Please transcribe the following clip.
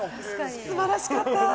素晴らしかった！